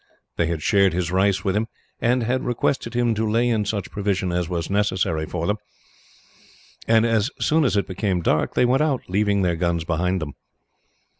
They had shared his rice with him, and had requested him to lay in such provision as was necessary for them; and as soon as it became dark they went out, leaving their guns behind them.